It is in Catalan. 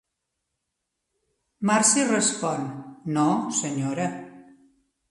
Marcie respon: "No, senyora".